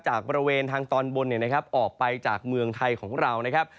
จากบริเวณทางตอนบนเนี่ยนะครับออกไปจากเมืองไทยของเรานะครับ